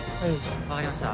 わかりました。